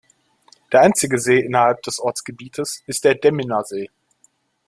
Der einzige See innerhalb des Ortsgebiets ist der Demminer See.